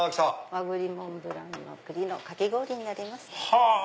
和栗モンブラン栗のかき氷になります。